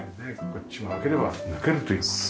こっちも開ければ抜けるという事だ。